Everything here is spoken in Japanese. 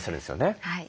はい。